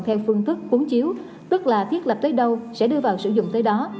theo phương thức uống chiếu tức là thiết lập tới đâu sẽ đưa vào sử dụng tới đó